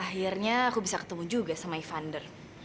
akhirnya aku bisa ketemu juga sama ivan der